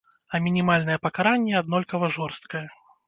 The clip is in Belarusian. А мінімальнае пакаранне аднолькава жорсткае.